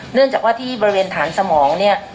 เนื่องจากว่าที่บริเวณฐานสมองเนี่ย